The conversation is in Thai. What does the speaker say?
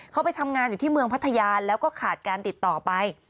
เขาไปทำงานอยู่ที่เมืองพัทยาแล้วก็ขาดการติดต่อไป